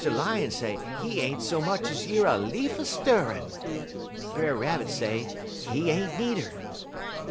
Lion say he ain't so much ez year a leaf a stirrin'. Brer Rabbit say he ain't needer.